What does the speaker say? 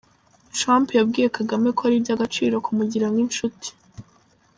Trump yabwiye Kagame ko ari iby’agaciro ‘kumugira nk’inshuti’.